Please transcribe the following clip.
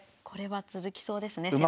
これは続きそうですね